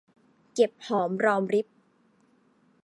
เก็บหอมรอมริบ